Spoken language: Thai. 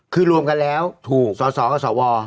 คือรวมกันแล้วถูกสสกับสว